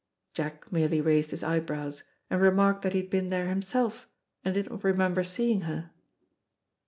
Jack merely raised his eyebrows, and remarked that he had been there himself, and did not remember seeing her.